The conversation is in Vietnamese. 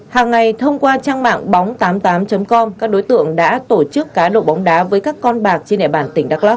hàng ngày thông qua trang mạng bóng tám mươi tám com các đối tượng đã tổ chức cá đồ bóng đá với các con bạc trên nẻ bản tỉnh đắk lắk